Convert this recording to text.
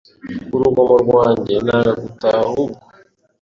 urugomo rwanjye nanga gutaha ahubwo